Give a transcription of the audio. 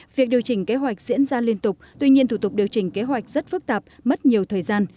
việc điều chỉnh kế hoạch diễn ra liên tục tuy nhiên thủ tục điều chỉnh kế hoạch rất phức tạp mất nhiều thời gian